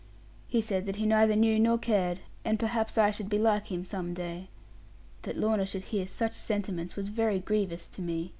He said that he neither knew nor cared; and perhaps I should be like him some day. That Lorna should hear such sentiments was very grievous to me.